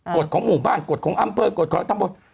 กดของหมู่บ้างกดของอ้ำบิบ